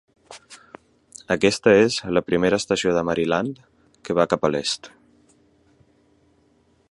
Aquesta és la primera estació de Maryland que va cap a l'est.